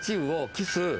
キス。